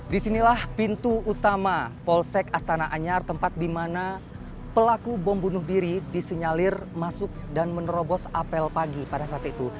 di sinilah pintu utama polsek astana anyar tempat dimana pelaku bom bunuh diri disenyalir masuk dan menerobos apel pagi pada saat itu